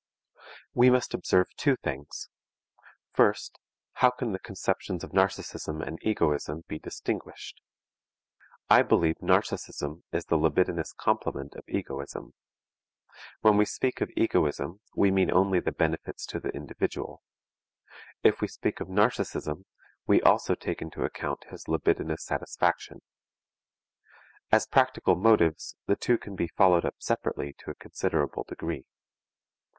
We must observe two things: First, how can the conceptions of narcism and egoism be distinguished? I believe narcism is the libidinous complement of egoism. When we speak of egoism we mean only the benefits to the individual; if we speak of narcism we also take into account his libidinous satisfaction. As practical motives the two can be followed up separately to a considerable degree.